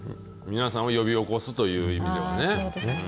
皆さんを呼び起こすという意味ではね。